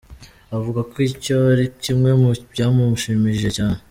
Avuga ko icyo ari kimwe mu byamushimishije cyane.